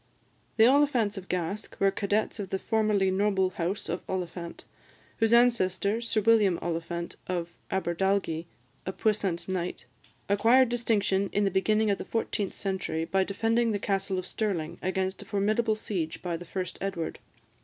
The Oliphants of Gask were cadets of the formerly noble house of Oliphant; whose ancestor, Sir William Oliphant of Aberdalgie, a puissant knight, acquired distinction in the beginning of the fourteenth century by defending the Castle of Stirling against a formidable siege by the first Edward.